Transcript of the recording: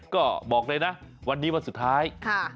ก็บอกเลยนะวันนี้วันสุดท้าย